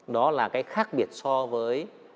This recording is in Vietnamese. đó là cái khác biệt so với